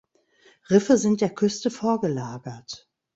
Riffe sind der Küste vorgelagert.